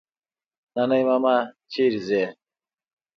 نانی ماما چيري ځې؟